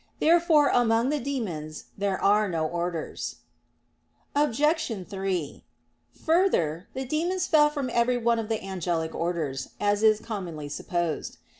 Therefore among the demons there are no orders. Obj. 3: Further, the demons fell from every one of the angelic orders; as is commonly supposed.